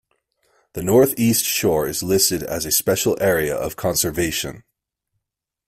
The North-East Shore is listed as a Special Area of Conservation.